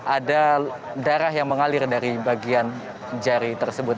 ada darah yang mengalir dari bagian jari tersebut